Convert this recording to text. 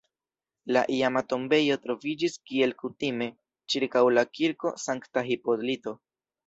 La iama tombejo troviĝis, kiel kutime, ĉirkaŭ la kirko Sankta Hipolito.